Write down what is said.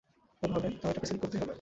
হলে হবে, তাও এটা প্রেসে লিক করতেই হবে।